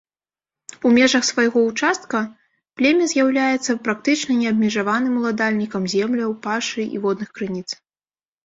У межах свайго ўчастка племя з'яўляецца практычна неабмежаваным уладальнікам земляў, пашы і водных крыніц.